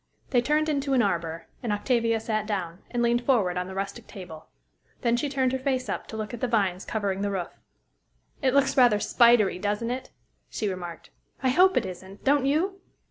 They turned into an arbor; and Octavia sat down, and leaned forward on the rustic table. Then she turned her face up to look at the vines covering the roof. "It looks rather spidery, doesn't it?" she remarked. "I hope it isn't; don't you?"